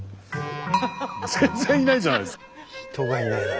全然いないじゃないですか。